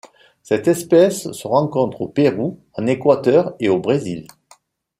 Cette espèce se rencontre au Pérou, en Équateur et au Brésil.